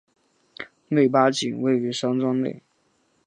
内八景位于山庄内。